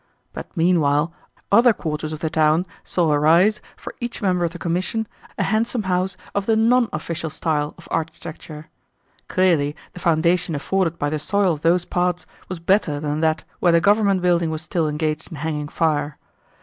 But, meanwhile, OTHER quarters of the town saw arise, for each member of the Commission, a handsome house of the NON official style of architecture. Clearly the foundation afforded by the soil of those parts was better than that where the Government building was still engaged in hanging fire!